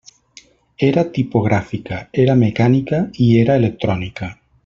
Era tipogràfica, era mecànica i era electrònica.